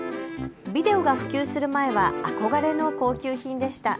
ビデオが普及する前は憧れの高級品でした。